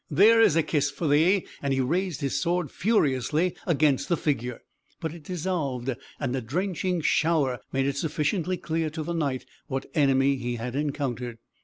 There is a kiss for thee!" And he raised his sword furiously against the figure. But it dissolved, and a drenching shower made it sufficiently clear to the Knight what enemy he had encountered.